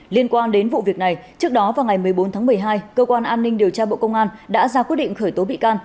liên quan đến vụ việc này trước đó vào ngày một mươi bốn tháng một mươi hai cơ quan an ninh điều tra bộ công an đã ra quyết định khởi tố bị can